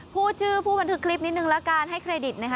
พูดชื่อผู้บันทึกคลิปนิดนึงแล้วกันให้เครดิตนะคะ